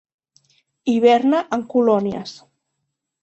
Hiberna en colònies.